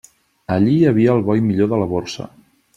Allí hi havia el bo i millor de la Borsa.